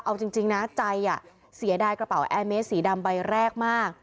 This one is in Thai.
เอาจริงนะใจเสียดายกระเป๋าแอร์เมสสีดำใบแรกมาก